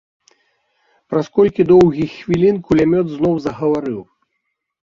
Праз колькі доўгіх хвілін кулямёт зноў загаварыў.